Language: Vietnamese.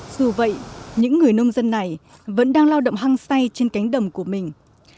dù vậy những người nông dân này vẫn đang lao động hăng say trên cánh đồng của mình